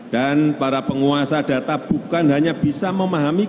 dan para penguasa data bukan hanya bisa memahami